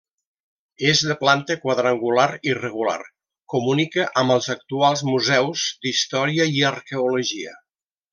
És de planta quadrangular irregular, comunica amb els actuals museus d'història i arqueologia.